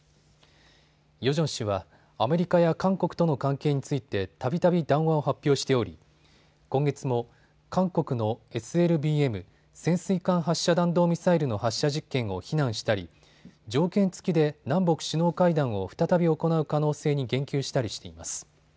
ヨジョン氏はアメリカや韓国との関係についてたびたび談話を発表しており今月も韓国のＳＬＢＭ・潜水艦発射弾道ミサイルの発射実験を非難したり条件付きで南北首脳会談を再び行う可能性に言及したりしています。